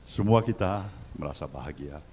semua kita merasa bahagia